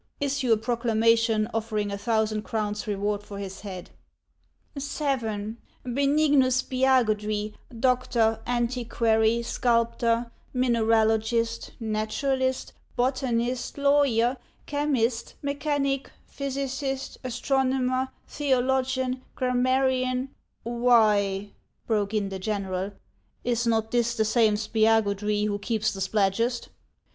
Issue a proclamation offering a thousand crowns reward for his head." " 7. Benignus Spiagudry, doctor, antiquary, sculptor, mineralogist, naturalist, botanist, lawyer, chemist, me chanic, physicist, astronomer, theologian, grammarian —"" Why," broke in the general, " is not this the same Spiagudry who keeps the Spladgest